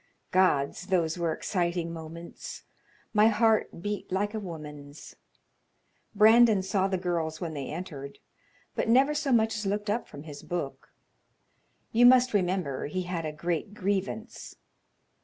Gods! those were exciting moments; my heart beat like a woman's. Brandon saw the girls when they entered, but never so much as looked up from his book. You must remember he had a great grievance.